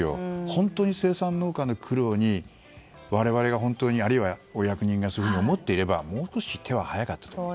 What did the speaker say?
本当に生産農家の苦労に我々があるいはお役人がそう思っていればもう少し手は早かったと思う。